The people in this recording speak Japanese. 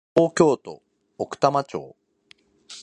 東京都奥多摩町